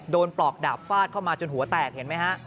ปลอกดาบฟาดเข้ามาจนหัวแตกเห็นไหมฮะ